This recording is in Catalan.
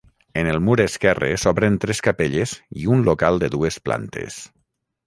En el mur esquerre s'obren tres capelles i un local de dues plantes.